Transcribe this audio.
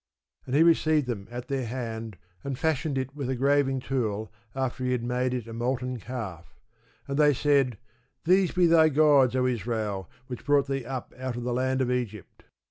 And he received them at their hand, and fashioned it with a graving tool after he had made it a molten calf: and they said, These be thy gods, O Israel, which brought thee up out of the land of Egypt.